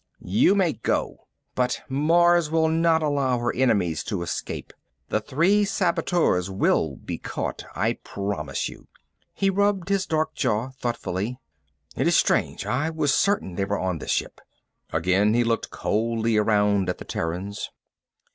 "You may go But Mars will not allow her enemies to escape. The three saboteurs will be caught, I promise you." He rubbed his dark jaw thoughtfully. "It is strange. I was certain they were on this ship." Again he looked coldly around at the Terrans.